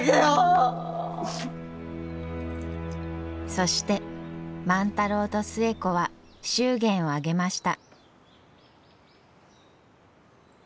そして万太郎と寿恵子は祝言を挙げました。